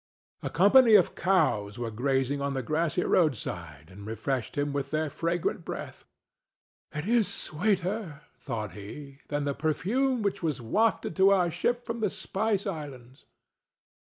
A company of cows were grazing on the grassy roadside, and refreshed him with their fragrant breath. "It is sweeter," thought he, "than the perfume which was wafted to our ship from the Spice Islands."